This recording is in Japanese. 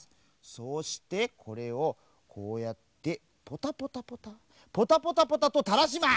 そしてこれをこうやってポタポタポタポタポタポタとたらします！